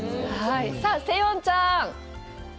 さあ、セヨンちゃん。